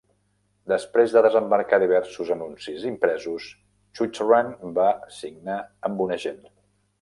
Després de desembarcar diversos anuncis impresos, Chuchran va signar amb un agent.